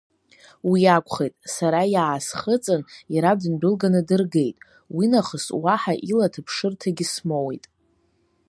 Уи акәхеит, сара иаасхыҵын, иара дындәылганы дыргеит, уи нахыс уаҳа ила аҭаԥшырҭагьы смоуит.